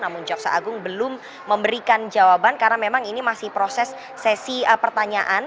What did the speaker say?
namun jaksa agung belum memberikan jawaban karena memang ini masih proses sesi pertanyaan